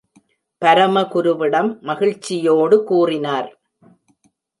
பரமகுருவிடம் மகிழ்ச்சியோடு கூறினார்.